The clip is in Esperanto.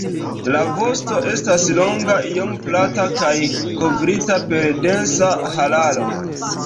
La vosto estas longa, iom plata kaj kovrita per densa hararo.